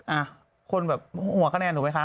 อ่ะคนแบบหัวคะแนนถูกไหมคะ